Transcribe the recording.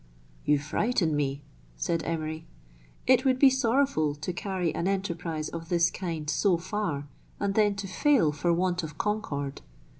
"You frighten me," said Emery. " It would be sorrowful to carry an enterprise of this kind so far, and then to fail for want of concord.